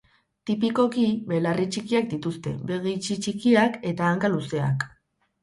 Tipikoki belarri txikiak dituzte, begi itxi txikiak eta hanka luzeak.